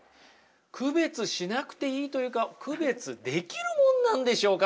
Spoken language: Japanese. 区別しなくていいというか区別できるもんなんでしょうか？